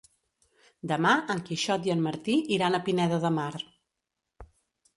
Demà en Quixot i en Martí iran a Pineda de Mar.